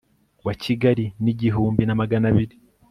wa Kigali n igihumbi na magana abiri